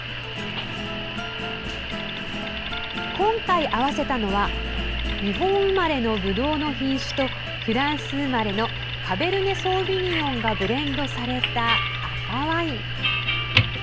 今回合わせたのは日本生まれのぶどうの品種とフランス生まれのカベルネ・ソーヴィニヨンがブレンドされた赤ワイン。